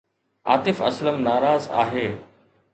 عاطف اسلم ناراض آهي